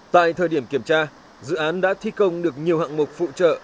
tại thời điểm kiểm tra dự án đã thi công được nhiều hạng mục phụ trợ